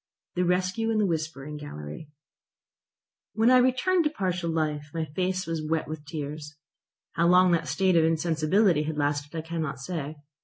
THE RESCUE IN THE WHISPERING GALLERY When I returned to partial life my face was wet with tears. How long that state of insensibility had lasted I cannot say.